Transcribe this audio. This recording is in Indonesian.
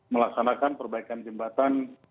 melaksanakan perbaikan jembatan